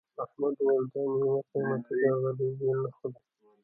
احمد وویل دا میوه قيمتي ده غريب یې نه خوري.